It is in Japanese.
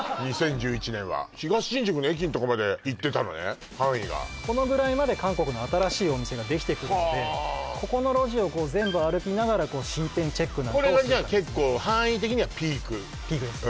２０１１年は東新宿の駅んとこまで行ってたのね範囲がこのぐらいまで韓国の新しいお店ができてくるのでここの路地をこう全部歩きながら新店チェックなんかをするこれがじゃあ結構ピークです